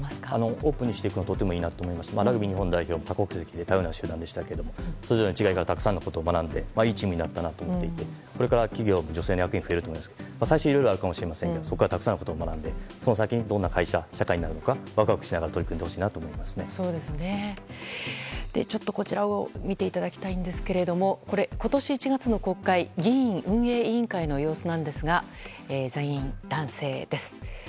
オープンにしていくのはとてもいいと思いますしラグビー日本代表も多国籍で多様な集団でしたがそれぞれ違いからたくさんのことを学んでいいチームになったなと思っていてこれから企業の女性役員が増えると思うんですが最初はいろいろあると思いますがそこからたくさんのことを学んでその先にどんな会社や社会になるかワクワクしながらこちらを見ていただきたいんですが今年１月の国会議院運営委員会の様子ですが全員男性です。